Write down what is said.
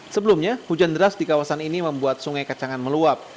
sebelumnya hujan deras di kawasan ini membuat sungai kacangan meluap